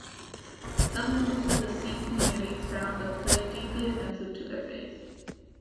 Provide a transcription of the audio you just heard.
Some members of the Sikh community found the play deeply offensive to their faith.